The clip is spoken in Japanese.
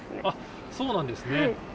あっそうなんですね。